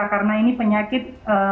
karena ini penyakit